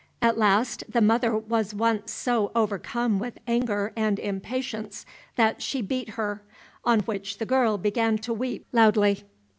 At last the mother was once so overcome with anger and impatience, that she beat her, on which the girl began to weep loudly.